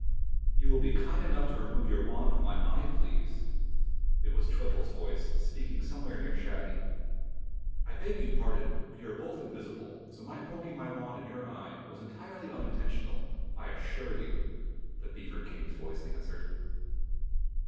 "You will be kind enough to remove your wand from my eye, please!" It was Twiffle's voice speaking somewhere near Shaggy. "I beg your pardon, we are both invisible, so my poking my wand in your eye was entirely unintentional, I assure you," the beaver King's voice answered.